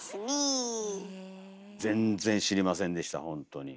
全然知りませんでしたほんとに。